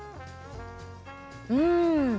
うん！